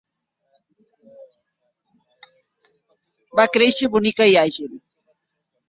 Va créixer bonica i àgil.